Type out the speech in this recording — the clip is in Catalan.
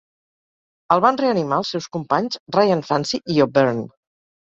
El van reanimar els seus companys Ryan Fancy i O'Byrne.